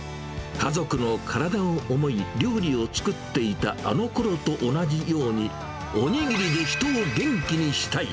家族の体を思い、料理を作っていたあのころと同じように、おにぎりで人を元気にしたい。